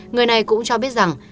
người này cũng cho biết rằng